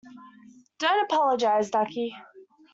Don't apologize, ducky.